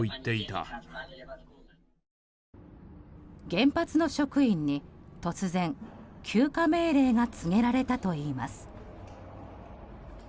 原発の職員に突然、休暇命令が告げられたといいます。